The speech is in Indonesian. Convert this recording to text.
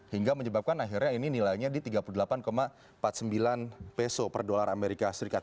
hingga menyebabkan akhirnya ini nilainya di tiga puluh delapan empat puluh sembilan peso per dolar amerika serikat